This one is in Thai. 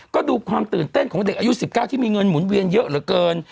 ก็ดูความตื่นเต้นของเด็กอายุ๑๙ที่มีเงินหมุนเวียนเยอะเหลือเกิน